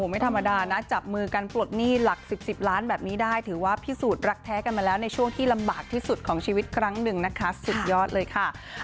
ไม่ธรรมดานะจับมือกันปลดหนี้หลัก๑๐ล้านแบบนี้ได้ถือว่าพิสูจน์รักแท้กันมาแล้วในช่วงที่ลำบากที่สุดของชีวิตครั้งหนึ่งนะคะสุดยอดเลยค่ะ